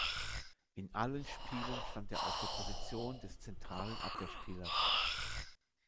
In allen Spielen stand er auf der Position des zentralen Abwehrspielers.